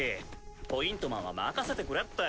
ポイントマンは任せてくれって。